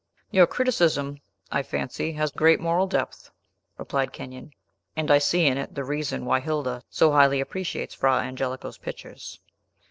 "Your criticism, I fancy, has great moral depth," replied Kenyon; "and I see in it the reason why Hilda so highly appreciates Fra Angelico's pictures.